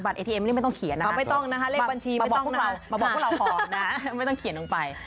เอทีเอ็มไม่ได้ไม่ต้องเขียนนะไม่ต้องนะคะเลขบัญชีมาบอกพวกเรามาบอกพวกเราพอนะไม่ต้องเขียนลงไป